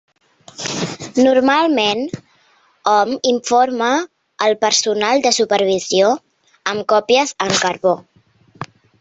Normalment, hom informa el personal de supervisió amb còpies en carbó.